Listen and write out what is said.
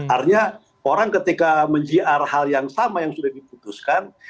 artinya orang ketika menjiar hal yang sama yang sudah diputuskan